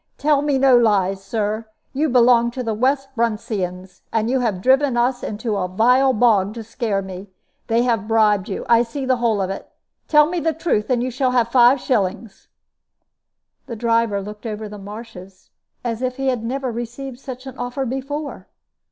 "Tell me no lies, Sir; you belong to the West Bruntseyans, and you have driven us into a vile bog to scare me. They have bribed you. I see the whole of it. Tell me the truth, and you shall have five shillings." The driver looked over the marshes as if he had never received such an offer before.